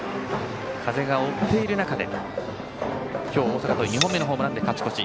風が追っている中で今日、大阪桐蔭２本目のホームランで勝ち越し。